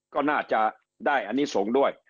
ก็น่าจะได้อันนี้ส่งด้วย